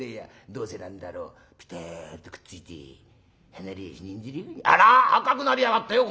どうせなんだろうピタッとくっついて離れやしねえんじゃあら赤くなりやがったよ